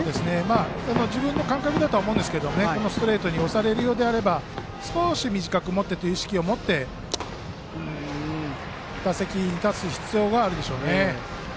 自分の感覚だと思うんですがストレートに押されるようであれば少し短く持ってという意識を持って打席に立つ必要があるでしょうね。